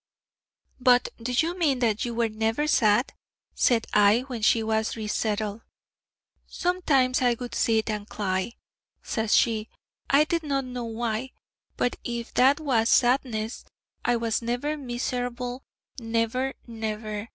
'But do you mean that you were never sad?' said I when she was re settled. 'Sometimes I would sit and cly,' says she 'I did not know why. But if that was "sadness," I was never miserlable, never, never.